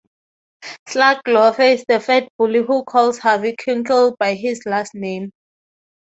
Slugloafe is the fat bully who calls Harvey Kinkle by his last name.